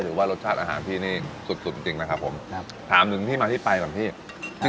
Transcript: ว่ารสชาติอาหารพี่นี่สุดสุดจริงจริงนะครับผมครับถามถึงที่มาที่ไปก่อนพี่